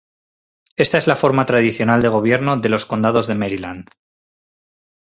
Esta es la forma tradicional de gobierno de los condados de Maryland.